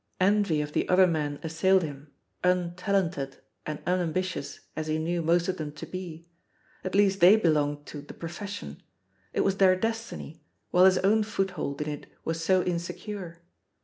Envy of the other men assailed him, un talented and imambitious as he knew most of them to be — at least they belonged to "the pro fession." It was their destiny, while his own foothold in it was so insecure.